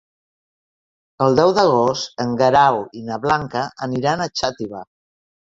El deu d'agost en Guerau i na Blanca aniran a Xàtiva.